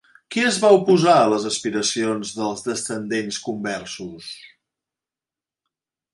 Qui es va oposar a les aspiracions dels descendents conversos?